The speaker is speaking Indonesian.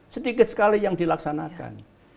sedikit sekali yang dilaksanakan